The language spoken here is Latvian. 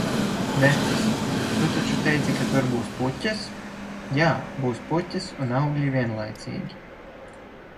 Vecis: "Tu taču teici, ka tur būs puķes?" Jā, būs puķes un augļi vienlaicīgi.